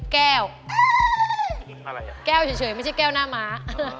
แก้วเฉยไม่ใช่แก้วหน้าม้า